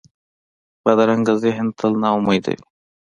بدرنګه ذهن تل ناامیده وي